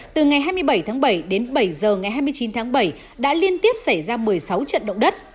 từ ngày hai mươi bảy tháng bảy đến bảy giờ ngày hai mươi chín tháng bảy đã liên tiếp xảy ra một mươi sáu trận động đất